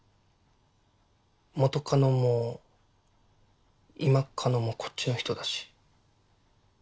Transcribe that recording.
元カノも今カノもこっちの人だし。